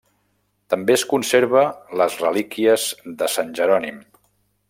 També es conserva les relíquies de Sant Jerònim.